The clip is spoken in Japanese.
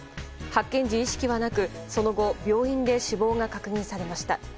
発見時、意識はなくその後、病院で死亡が確認されました。